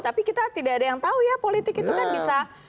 tapi kita tidak ada yang tahu ya politik itu kan bisa